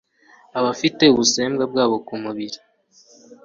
abafite ubusembwa bwabo kumubiri